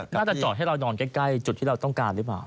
น่าจะจอดให้เรานอนใกล้จุดที่เราต้องการหรือเปล่า